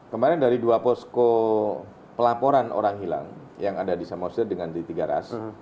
kemarin dari dua posko pelaporan orang hilang yang ada di samosir dengan di tiga ras